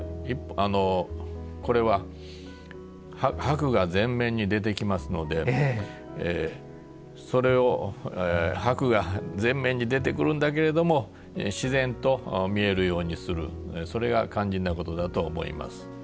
これは箔が前面に出てきますのでそれを箔が前面に出てくるんだけれども自然と見えるようにするそれが肝心なことだと思います。